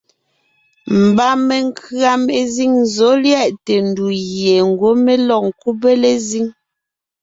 Mba menkʉ̀a mezíŋ zɔ̌ lyɛʼte ndù gie ngwɔ́ mé lɔg ńkúbe lezíŋ.